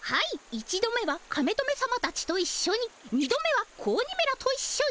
１度目はカメトメさまたちといっしょに２度目は子鬼めらといっしょに。